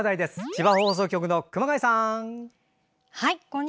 千葉放送局の熊谷さん。